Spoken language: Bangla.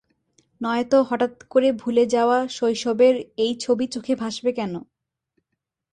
নয়তো হঠাৎ করে ভুলে-যাওয়া শৈশবের এই ছবি চোখে ভাসবে কেন?